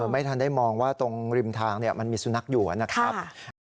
ไม่ทันได้มองว่าตรงริมทางมันมีสุนัขอยู่นะครับ